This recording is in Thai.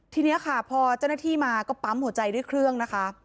ทีนี้ค่ะพอเจ้าหน้าที่มาก็ปั๊มหัวใจด้วยเครื่องนะคะ